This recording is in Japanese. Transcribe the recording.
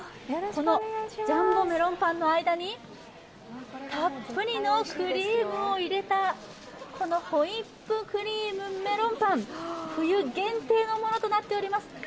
このジャンボめろんぱんの間たっぷりのクリームを入れたこのホイップクリームめろんぱん、冬限定のものとなっております。